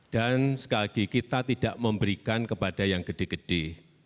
dan sekali lagi kita tidak memberikan kepada yang gede gede